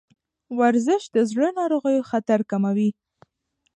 ورزش د زړه ناروغیو خطر کموي.